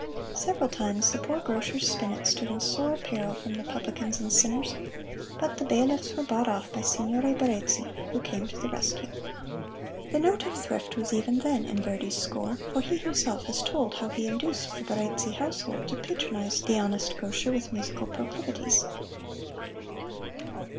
Several times the poor grocer's spinet stood in sore peril from the publicans and sinners, but the bailiffs were bought off by Signore Barezzi, who came to the rescue. The note of thrift was even then in Verdi's score, for he himself has told how he induced the Barezzi household to patronize the honest grocer with musical proclivities.